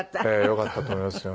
よかったと思いますよ。